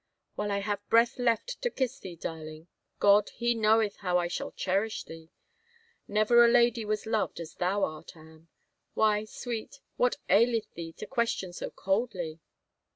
'* While I have breath left to kiss thee, darling, God, He knoweth how I shall cherish thee. Never a lady was loved as thou art, Anne. ... Why, Sweet, what aileth thee to question so coldly